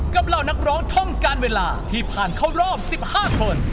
เหล่านักร้องท่องการเวลาที่ผ่านเข้ารอบ๑๕คน